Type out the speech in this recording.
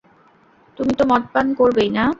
তুমি তো মদপান করবেই না।